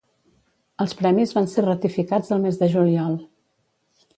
Els premis van ser ratificats el mes de juliol.